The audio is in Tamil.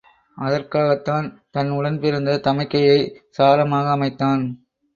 அதற்காகத் தன் உடன் பிறந்த தமக்கையைச் சாரமாக அமைத்தான்.